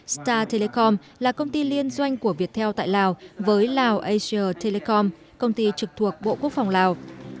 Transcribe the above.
star telecom là công ty liên doanh của viettel tại lào với lào asia telecom công ty trực thuộc bộ quốc phòng lào